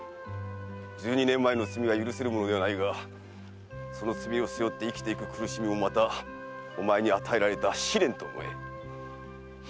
十二年前の罪は許せるものではないがその罪を背負って生きていく苦しみもまたお前に与えられた試練と思え。